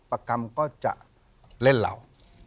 กรรมก็จะเล่นเรา